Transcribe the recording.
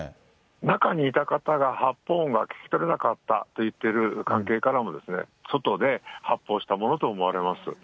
中にいた方が発砲音が聞き取れなかったと言っている関係からも、外で発砲したものと思われます。